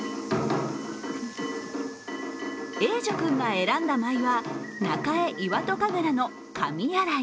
栄樹君が選んだ舞は、中江岩戸神楽の神遂。